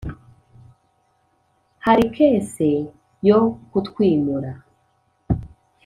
hari case yo kutwimura